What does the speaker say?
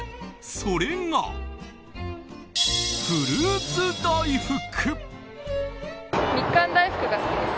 それが、フルーツ大福。